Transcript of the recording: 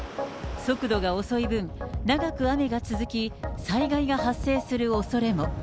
速度が遅い分、長く雨が続き、災害が発生するおそれも。